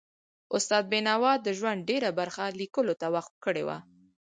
استاد بینوا د ژوند ډېره برخه لیکلو ته وقف کړي وه.